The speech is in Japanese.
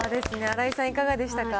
新井さん、いかがでしたか？